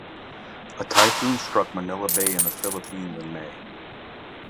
A typhoon struck Manila Bay in the Philippines in May.